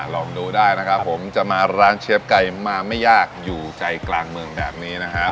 ลองดูได้นะครับผมจะมาร้านเชฟไก่มาไม่ยากอยู่ใจกลางเมืองแบบนี้นะครับ